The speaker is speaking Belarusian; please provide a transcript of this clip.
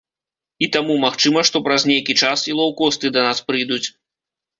І таму магчыма, што праз нейкі час і лоўкосты да нас прыйдуць.